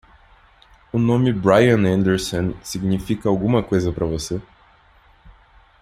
O nome Brian Anderson significa alguma coisa para você?